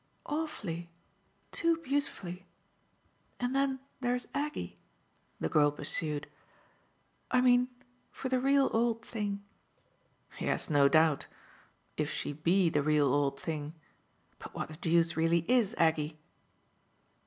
"Awfully too beautifully. And then there's Aggie," the girl pursued. "I mean for the real old thing." "Yes, no doubt if she BE the real old thing. But what the deuce really IS Aggie?"